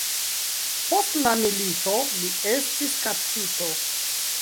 Post la milito li estis kaptito.